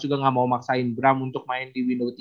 juga nggak mau maksain bram untuk main di window tiga